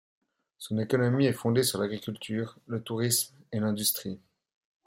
Son économie est fondée sur l'agriculture, le tourisme et l'industrie.